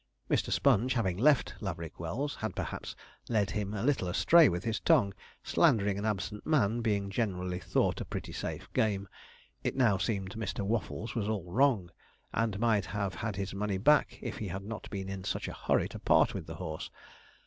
Mr. Sponge having left Laverick Wells, had, perhaps, led him a little astray with his tongue slandering an absent man being generally thought a pretty safe game; it now seemed Mr. Waffles was all wrong, and might have had his money back if he had not been in such a hurry to part with the horse.